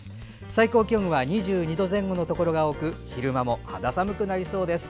最高気温は２２度前後のところが多く昼間も肌寒くなりそうです。